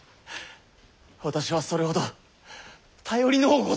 私はそれほど頼りのうございますか！